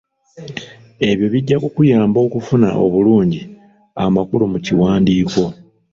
Ebyo bijja kukuyamba okufuna obulungi amakulu mu kiwandiiko.